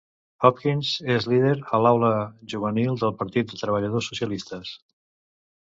Hawkins és líder a l'ala juvenil del Partit dels Treballadors Socialistes.